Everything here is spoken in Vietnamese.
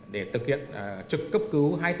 để thực hiện trực cấp cứu hai mươi bốn h năm mươi bốn h